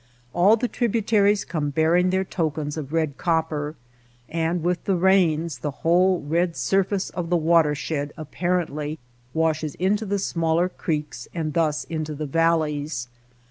All the tributaries come bearing their tokens of red copper, and with the rains the whole red sur face of the watershed apparently washes into the smaller creeks and thus into the valleys.